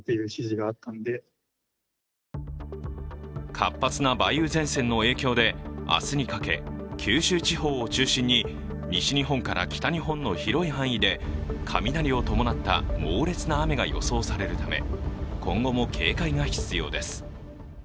活発な梅雨前線の影響で、明日にかけ九州地方を中心に西日本から北日本の広い範囲で雷を伴った猛烈な雨が予想されるため、今後も警戒が必要です。